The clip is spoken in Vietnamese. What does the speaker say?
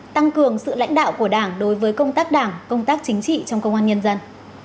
tăng cường sự lãnh đạo của đảng đối với công tác đảng công tác chính trị trong công an nhân dân